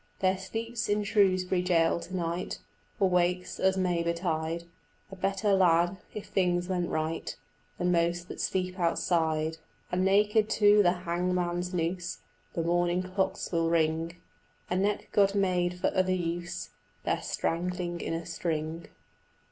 There sleeps in Shrewsbury jail to night, Or wakes, as may betide, A better lad, if things went right, Than most that sleep outside. And naked to the hangman's noose The morning clocks will ring A neck God made for other use Than strangling in a string.